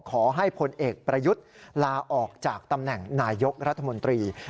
ขอให้พลเอกประยุทธ์ลาออกจากตำแหน่งนายกรัฐมนตรี